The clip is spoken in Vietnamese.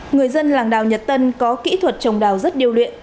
người dân làng đào nhật tân có kỹ thuật trồng đào rất điêu luyện